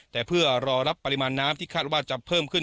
แต่เพื่อรอรับปริมาณน้ำที่คาดว่าจะเพิ่มขึ้น